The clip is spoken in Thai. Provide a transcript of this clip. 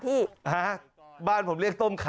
พี่บอกว่าบ้านทุกคนในที่นี่